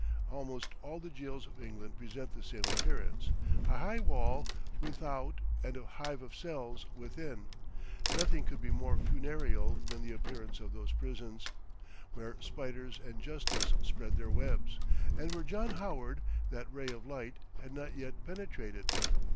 Almost all the jails of England present the same appearance a high wall without and a hive of cells within. Nothing could be more funereal than the appearance of those prisons, where spiders and justice spread their webs, and where John Howard, that ray of light, had not yet penetrated.